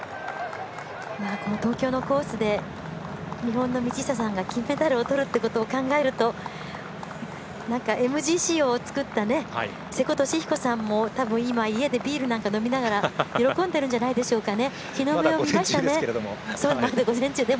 この東京のコースで日本の道下さんが金メダルを取るっていうことを考えるとＭＧＣを作った瀬古利彦さんさんも今、家でビールなんか飲みながら喜んでるんじゃないでしょうかね。